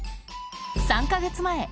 ３か月前。